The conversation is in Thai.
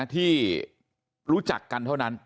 ที่รู้จักกันเท่านั้น